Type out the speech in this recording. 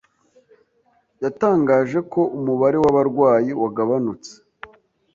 yatangaje ko umubare w'abarwayi wagabanutse